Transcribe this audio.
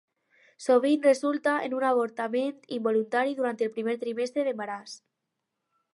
Sovint resulta en un avortament involuntari durant el primer trimestre d'embaràs.